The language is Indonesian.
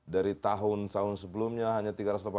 dari tahun tahun sebelumnya hanya tiga ratus delapan puluh